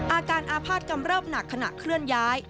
อาการอาภาษณกำเริบหนักขณะเคลื่อนย้าย